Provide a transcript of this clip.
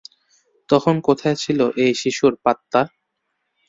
তখন কোথায় ছিল এই শিশুর পাত্তা?